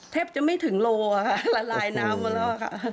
แทบจะไม่ถึงโลค่ะละลายน้ำมาแล้วค่ะ